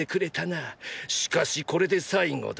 「しかしこれで最後だ」